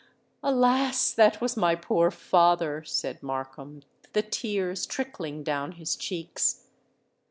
"Alas! that was my poor father!" said Markham, the tears trickling down his cheeks.